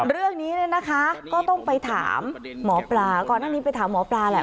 เรื่องนี้เนี่ยนะคะก็ต้องไปถามหมอปลาก่อนหน้านี้ไปถามหมอปลาแหละ